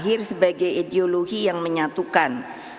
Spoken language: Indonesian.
lahir sebagai ideologi yang menyatukan